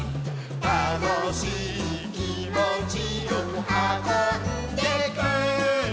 「たのしいきもちをはこんでくるよ」